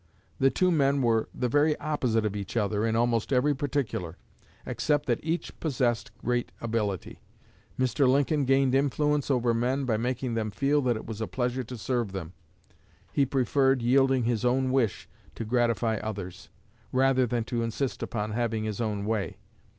The two men were the very opposite of each other in almost every particular, except that each possessed great ability. Mr. Lincoln gained influence over men by making them feel that it was a pleasure to serve them. He preferred yielding his own wish to gratify others, rather than to insist upon having his own way.